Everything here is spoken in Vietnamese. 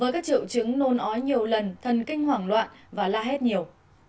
với các triệu chứng nôn ói nhiều lần thần kinh hoảng loạn và la hét nhiều